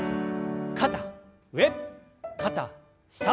肩上肩下。